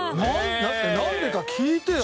だってなんでか聞いてよ。